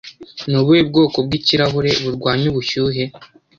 Ni ubuhe bwoko bw'ikirahure burwanya ubushyuhe